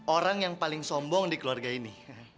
orang yang paling sombong di keluarga ini